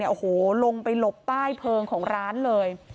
โอ้โหลงไปหลบใต้เพลิงของร้านเลย